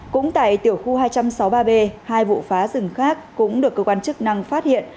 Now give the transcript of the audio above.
cũng tại tiểu khu hai trăm sáu mươi ba b hai vụ phá rừng khác cũng được cơ quan chức năng phát hiện